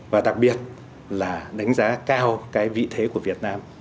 và đặc biệt là đánh giá cao cái vị thế của việt nam